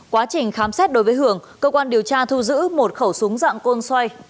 quá trình khám xét đối với hường cơ quan điều tra thu giữ một khẩu súng dạng côn xoay